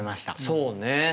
そうね。